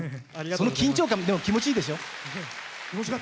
その緊張感も気持ちいいでしょう。